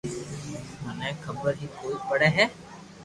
مني خبر ھي ڪوئي پڙي